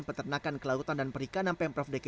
peternakan kelautan dan perikanan pemprov dki